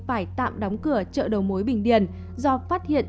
phải tạm đóng cửa chợ đầu mối bình điền do phát hiện